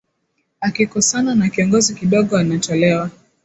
akikosana na kiongozi kidogo anatolewa